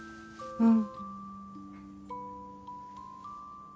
うん。